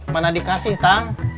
mana dikasih tang